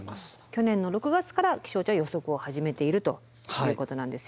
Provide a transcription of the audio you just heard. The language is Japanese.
去年の６月から気象庁は予測を始めているということなんですよね。